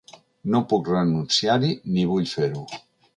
No puc renunciar-hi ni vull fer-ho.